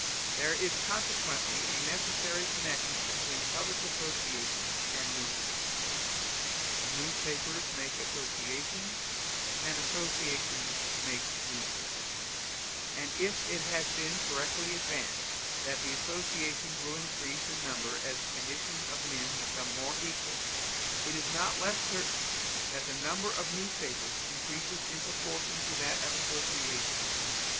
There is consequently a necessary connection between public associations and newspapers: newspapers make associations, and associations make newspapers; and if it has been correctly advanced that associations will increase in number as the conditions of men become more equal, it is not less certain that the number of newspapers increases in proportion to that of associations.